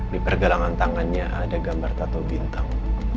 di pergelangan tangannya ada gambar tato bintang